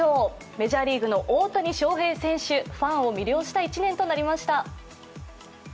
メジャーリーグの大谷翔平選手ファンを魅了した１年となりました。